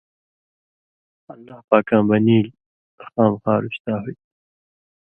اللہ پاکاں بنیلیۡ خامخا رُشتا ہُوئ تھی۔